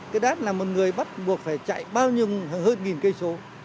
cái đát là một người bắt buộc phải chạy bao nhiêu hơn nghìn cây số